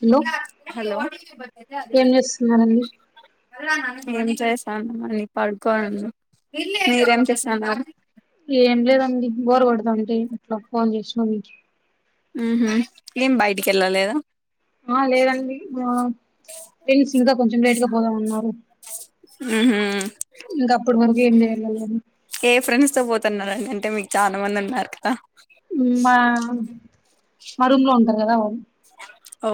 Hello hello ఏం చేస్తున్నారండి ఏం చేసాను అని పడుకోనున్నా మీరేం చేస్తానారు ఏం లేదండి బోరు కొడతాంటే అట్లా ఫోన్ చేసిన మీకీ ఉహు ఏం బయటికి వెళ్ళలేద ఆ లేదండి మా ఫ్రెండ్స్ ఇంకా కొంచెం లేట్ గా పోదామన్నారు ఉహు ఇప్పుడు మనకు ఏం చేయళ్ాలిని ఏ ఫ్రెండ్స్ తో పోతున్నరండి అంటే మీకు చాలా మంది ఉన్నారు కదా మా మా రూమ్ లో ఉంటారు కదా వాళ్లు ఓ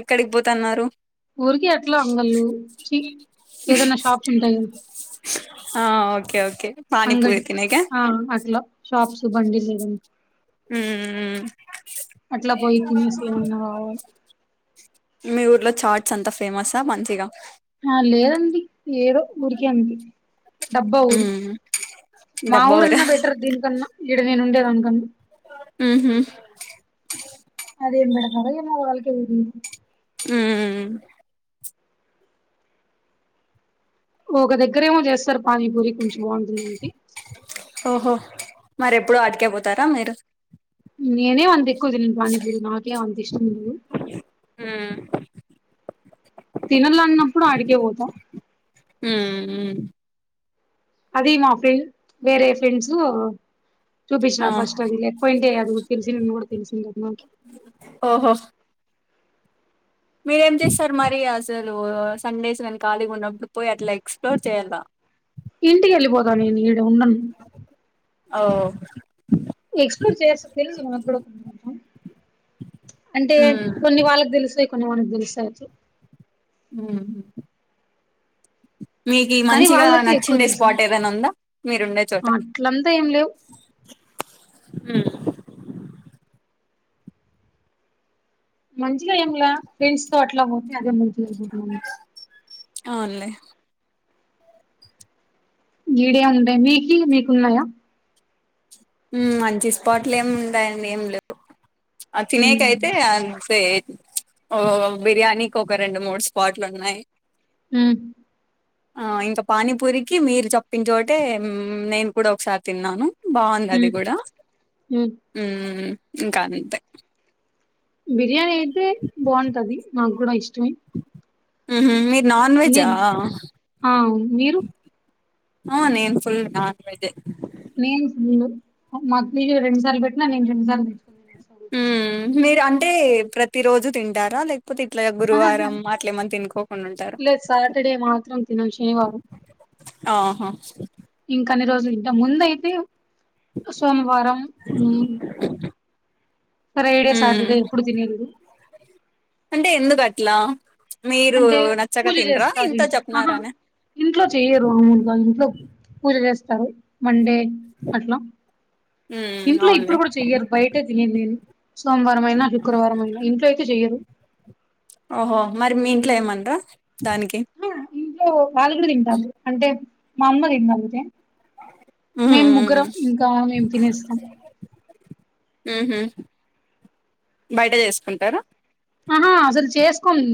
ఎక్కడికి పోతన్నారు ఊరికె అట్లా అంగల్లు ఏదైనా షాప్స్ ఉంటాయి కదా ఆ ఓకే ఓకే అంగడి పానీపూరి తినేకా ఆ అట్లా షాప్స్ బండి లేదండి ఉమ్ అట్లా పోయి తినేసి ఎవనా వా మీ ఊర్లో చాట్స్ అంతా ఫేమసా మంచిగా ఆ లేదండి ఏదో ఊరికే అండి డబ్బా ఊరు ఉమ్ మా డబ్బా ఊరా ఊరన్నా బెటర్ దీనికన్నా ఈడ నేను ఉండేదానికన ఉహ అదే మేడం గారు ఏమో వాళ్ళకి ఇది ఉ ఒక దగ్గరేమో చేస్తారు పానీపూరి కొంచెం బాగుంటుందింటి ఓహో మరెప్పుడు అటికే పోతారా మీరు నేనే వంది ఎక్కువది పాణిపూరి నాకే అంది ఇష్టం నువు ఆ తినలే అన్నప్పుడు అడిగే పోతా ఉ అది మా ఫె వేరే ఫ్రెండ్స్ ఆ చూపించినారు ఫస్ట్ అది లేకపోయి ఉంటే అది కూడా తెలిసి మే కూడా తెలిసింది కదకి ఓహో మీరేం చేస్తారు మరి అసలు సండేస్ కానీ ఖాళీగా ఉన్నప్పుడు పోయి అట్లా ఎక్స్ప్లోర్ చెయ్యాలిగా ఇంటికి వెళ్లిబోదా నేను ఈడ ఉండను ఓ ఎక్స్ప్లోర్ చేసు తెలుదు మన కూడా కొ అంటే మ్మ్ కొన్ని వాళ్ళకి తెలుస్తాయి కొన్ని మనకు తెలుస్తాయివచ్చు ఆ మీకి కానీ మంచిగా వాళ్ళకి ఎక్కువ నచ్చిందే తెలుసు స్పాట్ ఏదైనా ఉందా మీరుండే చోట అట్లంతా ఏం లేవు హ మంచిగా ఏంలా ఫ్రెండ్స్ తో అట్లా పోతే అదే మంచిగా అయిపోతున్నాం అవులే ఈడియా ఉంటయి మీకి మీకున్నాయా మంచి స్పాట్లు ఏమి ఉంటాయండి ఏం లేవు ఆ తినేటిఅయితే హ్మ్ అంతే ఎత్ ఓ బిర్యానీకి ఒక రెండు మూడు స్పాట్లు ఉన్నాయి హ ఆ ఇంకా పానీపూరికి మీరు చప్పించోటే నేను కూడా ఒకసారి తిన్నాను బాగు అది హ్మ్ కూడా ఉ ఇంకా అంతే బిర్యానీ అయితే బాగుంటది మాకు కూడా ఇష్టమే ఉహ మీరు నాన్ వెజా నేను ఆ మీరు ఆ నేన్ ఫుల్ నాన్ వెజె నేను ఫుల్లు మా అక్లీజ రెడు సార్లు పెట్నా నేను రెండు సార్లు తీసుకపో ఉ మీరు అంటే ప్రతి రోజు తింటారా లేక్ కాపోతే ఇట్లాగా ఆహాహా గురువారం అట్లేమని తినుకోకుండా ఉంటారు లేదు సాటర్డే మాత్రం తినం శనివారం ఆహా ఇంకాన్ని రోజులు ఇంకా ముంద అయితే సోమవారం అ ఫ్రైడే సాటర్ డే ఎప్పుడు తినేలేదు అంటే ఎందుకు అట్లా మీరు అంటే నచ్చక పూజ తింట్రా చేస్తారు ఇంతో ఇంట్లో ఆహా చెప్నారాన ఇంట్లో చెయ్యరు వాళ్ల ఇంట్లో పూజ చేస్తారు మండే అట్లా ఉమ్ ఇంట్లో అవునులే ఇప్పుడు కూడా చెయ్యరు బయటే తినేది నేను సోమవారం అయినా శుక్రవారం అయినా ఇంట్లో అయితే చెయ్యరు ఓహో మరి మీ ఇంట్లో ఏమనరా దానికి ఆహా ఇంట్లో వాళ్ళ కూడా తింటారు అంటే మా అమ్మ తినరు అంతే ఉహు మేము ముగ్గురం ఇంకా మేం తినేస్తాం ఉహు బయట చేసుకుంటారా అహా అసలు చేసు కోము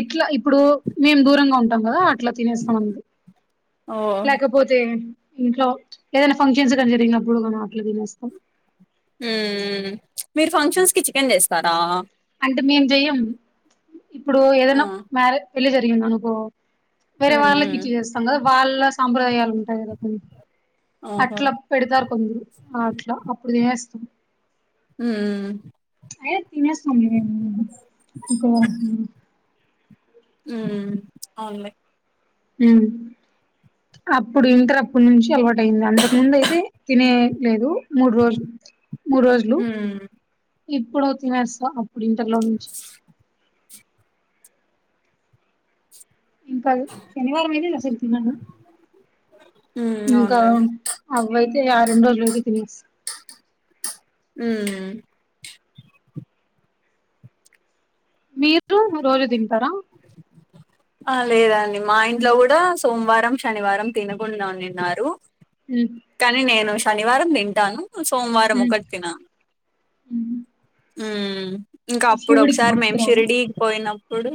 ఇట్లా ఇప్పుడు మేము దూరంగా ఉంటాం కదా అట్లా తినేస్తాం అంది ఓ లేకపోతే ఇంట్లో ఏదైనా ఫంక్షన్స్ గానీ జరిగినప్పుడు మనం అట్లా తినేస్తాం ఉ మీరు ఫంక్షన్స్ కి చికెన్ చేస్తారా అంటే మేం చెయ్యం ఇప్పుడు ఆ ఏదైనా మ్యారే పెళ్లి జరిగింది అనుకో వేరే వాళ్ళకి ఉమ్ ఇచ్చి చేస్తాం కదా వాళ్ళ సాంప్రదాయాలు ఉంటాయి కదా కొన్ని ఓహో అట్లా పెడతారు కొందరు అట్లా అప్పుడు తినేస్తాం ఊ అయినా తినేస్తాం ఇంకో ఉ అవున్ లే ఊ అప్పుడు ఇంటర్ అప్పుడు నుంచి అలవాటు అయింది అంతకు ముందు అయితే తినేలేదు మూడు రోజులు మూడు రోజులు హ్మ్ ఇప్పుడు తినేస్తా అప్పుడు ఇంటర్లో నుంచి ఇంకా శనివారం అయితే ఇది అసలు తినను హ్మ్ ఇంకా అవునులేండి అవ్వయితే ఆ రెండు రోజులు ఐతే తినేస్తా ఉమ్ మీరు రోజు తింటారా ఆ లేదండి మా ఇంట్లో కూడా సోమవారం శనివారం తినకుండా ఉండినిన్నారు ఊ కానీ నేను శనివారం తింటాను సోమవారం ఉమ్ ఒకటి తిన ఉమ్ ఉ ఇంకా అప్పుడు శివుడికి ఒకసారి మేం భక్తురాలా షిరిడి పోయినప్పుడు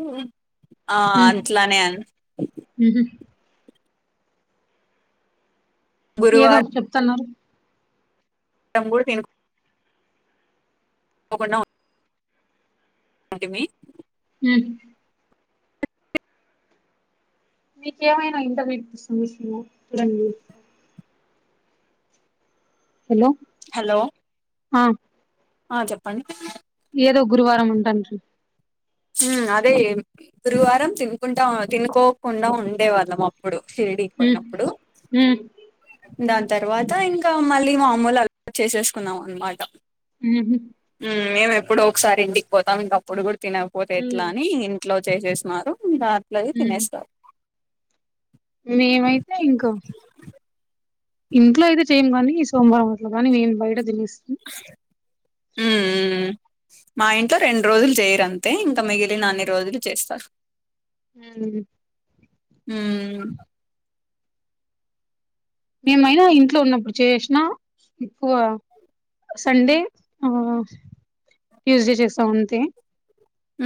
ఆ అట్లానే ఉ ఏదో గురువారం చెప్తున్నారు అన్నం కూడా తిన ఒక నా అటిమి ఊ మీకేమైనా ఇంటర్మట్ సమస్యల చూడండి హలో హలో ఆ ఆ చెప్పండి ఏదో గురువారం ఉంటనికి అదే గురువారం తినుకుంటా తినుకోకుండా ఉండేవాళ్ళం అప్పు ప్పుడు షిరిడికి పోయినప్పుడు ఉ దాని తర్వాత ఇంకా మళ్ళీ మామూలు అలా చేసేసుకున్నాం అనమాట ఉహు మేము ఎప్పుడో ఒకసారి ఇంటికి పోతాం ఇంక అప్పుడు కూడా తినకపోతే ఎట్లా ఉమ్ అని ఇంట్లో చేసేసినారు ఇంకా అట్ల ఉమ్ తినేస్తా మేమైతే ఇంక ఇంట్లో అయితే చేయంగాని ఈ సోమవారం అట్ల కాని మేము బయట తినేస్తాం ఉ ఉ మా ఇంట్లో రెండు రోజులు చేయరంతే ఇంకా మిగిలిన అన్ని రోజులు చేస్తారు ఉ ఉ మేమైనా ఇంట్లో ఉన్నప్పుడు చేసినా ఎక్కువ సండే ఆ ట్యూస్డే చేస్తా అంతే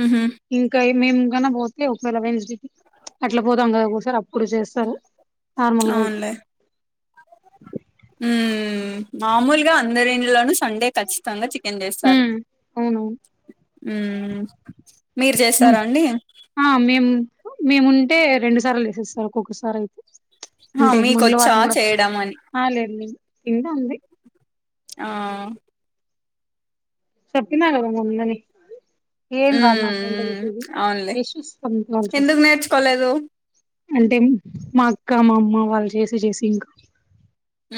ఉహు ఇంకాయే మేము గన పోతే ఒకేళ వెడ్నెస్డే కి అట్ల పోదాం కదా ఒకోసారి అప్పుడు చేస్తారు నార్మల్గా అయితే ఉ మాములుగా అందరి ఇండ్లోనూ సండే ఖచ్చితంగా చికెన్ చేస్తారు అవును ఉ మీరు చేస్తారా అండి ఆ మేము మేముంటే రెండు సార్లు వేసేస్తారు ఒక్కొక్కసారి అయితే ఆ అంటే మీకొచ్చా మంగళవారం కూడా చేయడం అని ఆ లేదు లేదు కింద ఉంది ఆ చెప్పిన గద మొన్ననే ఏం ఉమ్ రాదు నాకు వంట ఉమ్ చేసేది అవునులే టేస్ట్ చూస్తా అంతే ఎందుకు నేర్చుకోలేదు [unintelligible] అంటే మా అక్క మా అమ్మ వాళ్ళు చేసి చేసి ఇంకా ఉ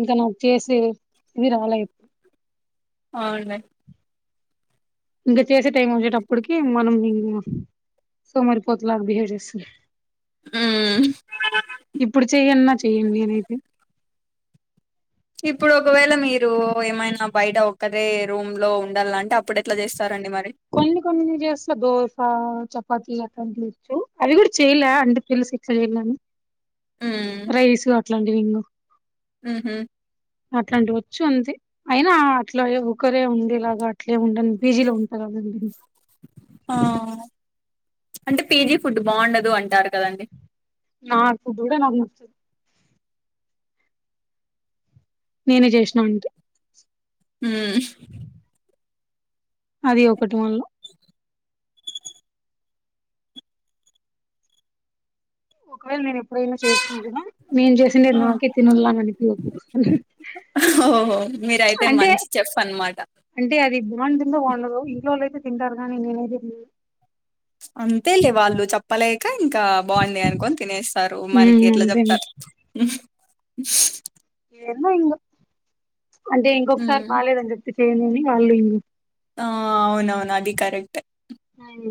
ఇంకా నాకు చేసే ఇది రాలే అవునులే ఇంకా చేసే టైం వచ్చేటప్పటికి మనం ఇంగ సోమరిపోతులాగా బిహేవ్ చేస్తాం ఉ ఇప్పుడు చెయ్యన్న చెయ్యను నేనైతే ఇప్పుడు ఒకవేళ మీరు ఏమైనా బయట ఒక్కరే రూమ్ లో ఉండాలంటే అప్పుడు ఎట్లా చేస్తారండి మరి కొన్ని కొన్ని చేస్త దోస, చపాతి అట్లాంటివి వచ్చు అవి కూడా చెయలే అంటే తెలిసి చెయ్యలే రైస్ అట్లాంటివి ఇంగ ఉహు అట్లాంటి వచ్చు అంతే అయినా అట్లా ఒకరే ఉండే లాగా అట్లే ఉండను పిజీలో ఉంటా కదండి ఆ అంటే పీజీ ఫుడ్ బాగుండదు అంటారు కదండి నాకు కూడా నాకు నచ్చదు నేనే చేసినా అంటే ఉ అది ఒకటి మళ్ళ ఒకవేళ నేను ఎప్పుడైనా చేసిన కూడా నేను చేసిండేది ఆ నాకే తినాల్ల అనిపియదు హో మీరైతే అంటే మంచి చెఫ్ అనమాట అంటే అది బాగుంటుందో బాగుండదో ఇంట్లో వాళ్ళయితే తింటారు గాని నేనయితే అంతేలే వాళ్ళు చెప్పలేక ఇంకా బాగుంది అనుకోని తినేస్తారు మనకి ఎట్లా తినను ఉమ్ అంతే అండి చెప్తారు ఏమో ఇంగ అంటే ఇంకొకసారి ఉమ్. బాలేదని చెప్తే చేయనిని వాళ్ళు ఇంగ్ ఆ అవునవును అది కరెక్టే అయి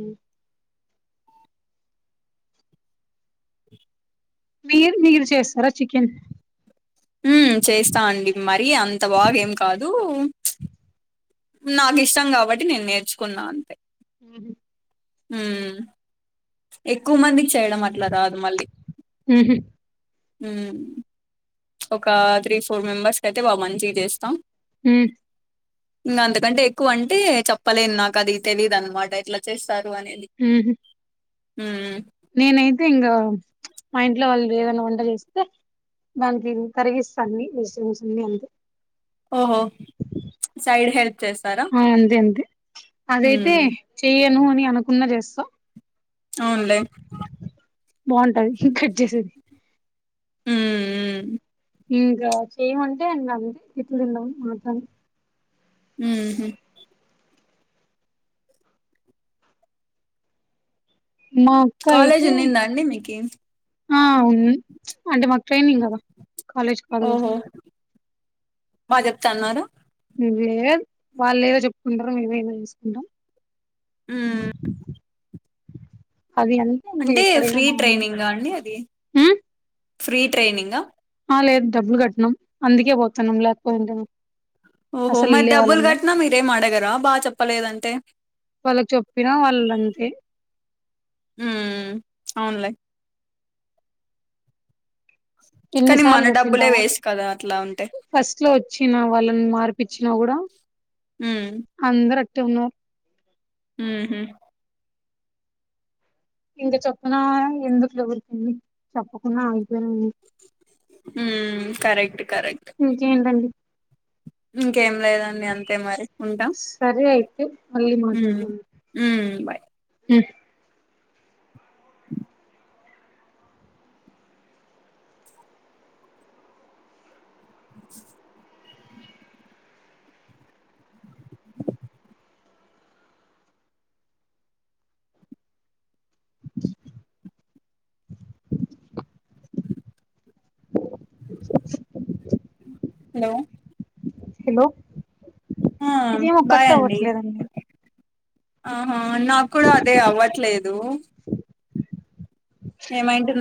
మీరు మీరు చేస్తారా చికెన్ ఉమ్ చేస్తా అండి మరి అంత బాగా ఏం కాదు నాకు ఇష్టం కాబట్టి నేను నేర్చుకున్నా అంతే ఉహు హుమ్మ్ ఎక్కువ మందికి చేయడం అట్లా రాదు మళ్ళీ ఉహు ఉమ్ ఒక త్రీ ఫోర్ మెంబర్స్ అయితే బా మంచిగా చేస్తా హ్మ్మ్ ఉ అంతకంటే ఎక్కువ అంటే చెప్పలేను నాకు అది తెలిదు అన్నమాట ఎట్లా చేస్తారు అనేది ఉహూ ఉమ్ నేనైతే ఇంగా మా ఇంట్లో వాళ్ళు ఏదైనా వంట చేస్తే దానికి తరిగిస్తాన్ని వెజిటబుల్స్ అన్ని అంతే ఓహో, సైడ్ హెల్ప్ చేస్తారా అంతే అంతే అదైతే ఉమ్ చెయ్యను అని అనుకున్నా చేస్తా అవునులే బావుంటది ఈ కట్ చేసేది ఉమ్మ్ ఇంకా చేయమంటే ఇంగ అంతే తిట్లు తినడం మాత్రమే ఉహు మా అక్క కాలేజ్ అయితే ఉన్నునండి మీకి ఆ ఉన్ని అంటే మాకు ట్రైనింగ్ కదా కాలేజ్ కాదు కదా బా చెపుతున్నార ఉహు లేద్ వాళ్ళు ఏదో చెప్పుకుంటారు మేమేదో చేసుకుంటాం ఉమ్ అవి అన్ అంటే ఫ్రీ ట్రైనింగ్ అండి అది ఉమ్ ఫ్రీ ట్రైనింగ్ ఆ ఆ లేదు డబ్బులు కట్నాం అందుకే పోతున్నాం లేకపోయింటే ఓహో అసలు మరి వెళ్ళే డబ్బులు వాళ్ళంగా కట్టినా మీరేం అడగరా బాగా చెప్పలేదంటే వాళ్ళకి చెప్పినా వాళ్ళంతే హ్మ్మ్ అవునలే కానీ ఎన్నిసార్లు మన డబ్బులే చెప్పింటాము వేస్ట్ కదా అట్లా ఉంటే ఫస్ట్ లో వచ్చిన వాళ్ళని మార్పిచ్చిన కూడా ఉమ్ అందరూ అటే ఉన్నరూ ఉహూ ఇంక చెప్పిన ఎందుకులే ఉరికింది చెప్పకుండా అయిపోయినండి హుమ్మ్ కరెక్ట్ కరెక్ట్ ఇంకేంటండి ఇంకేం లేదండి అంతే మరి ఉంటా సరే అయితే మళ్ళీ ఉమ్ ఉమ్ బాయ్ హు హలో హలో ఆ ఇదేమో బాయ్ కట్ అండి అవ్వట్లేదండి ఆహా నాకు కూడా అదే అవ్వట్లేదు ఏమైంటూ